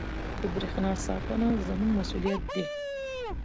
• د برېښنا ساتنه زموږ مسؤلیت دی.